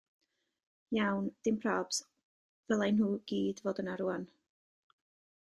Iawn, dim probs, ddylai nhw i gyd fod yno rŵan.